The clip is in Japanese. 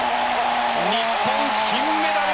日本金メダル！